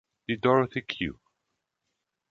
Die „Dorothy Q.